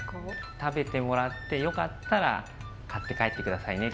食べてもらって、良かったら買って帰ってくださいねって。